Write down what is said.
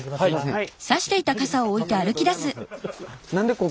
はい。